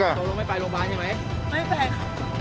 ตกลงไม่ไปโรงพยาบาลใช่ไหม